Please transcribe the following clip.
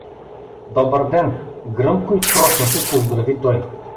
— Добър ден! — гръмко и троснато поздрави той.